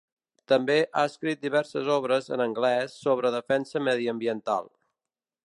També ha escrit diverses obres en anglès sobre defensa mediambiental.